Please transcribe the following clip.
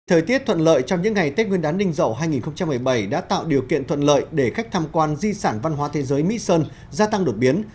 thời tiết thuận lợi trong những ngày tết nguyên đán ninh rậu hai nghìn một mươi bảy đã tạo điều kiện thuận lợi để khách tham quan di sản văn hóa thế giới mỹ sơn gia tăng đột biến